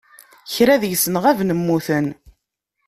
Kra deg-sen ɣaben mmuten